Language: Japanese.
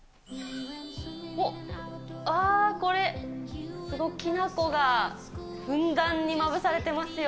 おっ、あー、これ、きな粉がふんだんにまぶされてますよ。